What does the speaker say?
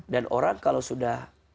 dan orang kalau sudah